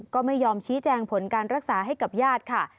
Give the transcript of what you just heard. ก็ไม่ยอมชี้แจงผลการรักษาให้กับญาติค่ะ